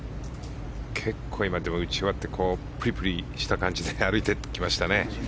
結構、打ち終わってぷりぷりした感じで歩いていきましたね。